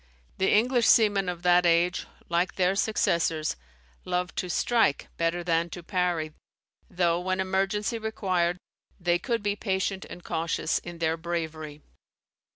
The English seamen of that age (like their successors) loved to strike better than to parry, though, when emergency required, they could be patient and cautious in their bravery.